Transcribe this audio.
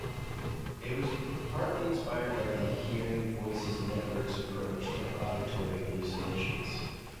It was partly inspired by the Hearing Voices Network's approach to auditory hallucinations.